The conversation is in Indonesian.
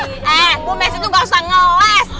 eh bu messi tuh gak usah nge wes